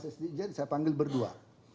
sama sdj saya panggil berdua